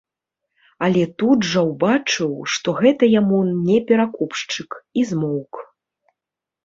Але тут жа ўбачыў, што гэта яму не перакупшчык, і змоўк.